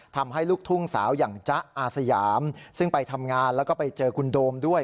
ลูกทุ่งสาวอย่างจ๊ะอาสยามซึ่งไปทำงานแล้วก็ไปเจอคุณโดมด้วย